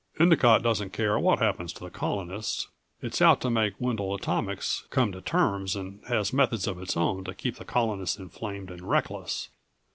"Endicott doesn't care what happens to the colonists. It's out to make Wendel Atomics come to terms and has methods of its own to keep the colonists inflamed and reckless.